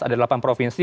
ada delapan provinsi